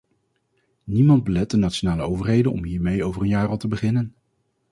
Niemand belet de nationale overheden om hiermee over een jaar al te beginnen.